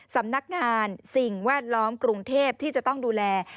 สำนักงานสิ่งแวดล้อมกรุงเทพที่จะต้องดูแล